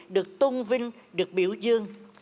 được tôn vinh được biểu dương